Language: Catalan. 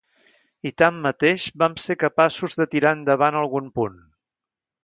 I tanmateix vam ser capaços de tirar endavant algun punt.